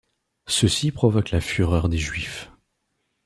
Ceci provoque la fureur des Juifs.